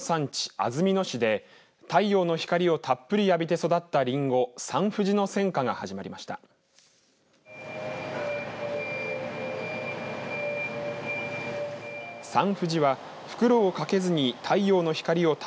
安曇野市で太陽の光をたっぷり浴びて育ったりんごサンふじの選果が始まりました。